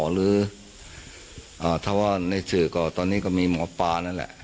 หรือถ้าว่าในสื่อก็ตอนนี้ก็มีหมอปลานั่นแหละ